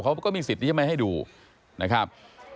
เขาก็มีสิทธิ์ที่จะไม่ให้ดูนะครับ